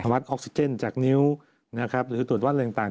เราวัดออกซิเกิ้ลจากนิ้วหรือตรวจวัดอะไรต่าง